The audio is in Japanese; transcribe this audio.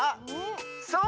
そう。